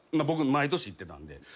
僕毎年行ってたんで。